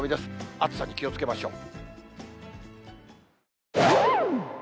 暑さに気をつけましょう。